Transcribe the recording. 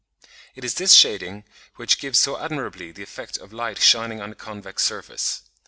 It is this shading which gives so admirably the effect of light shining on a convex surface.